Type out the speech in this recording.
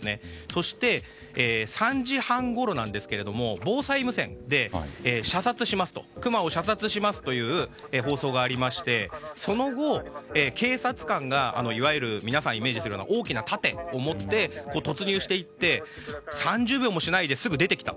そして、３時半ごろなんですが防災無線でクマを射殺しますという放送がありましてその後、警察官が、いわゆる皆さんがイメージするような大きな盾を持って突入していって３０秒もしないで、すぐ出てきた。